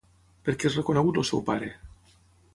Per què és reconegut el seu pare?